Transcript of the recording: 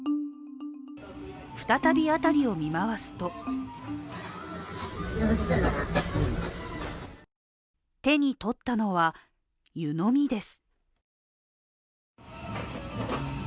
再び辺りを見回すと手に取ったのは、湯飲みです。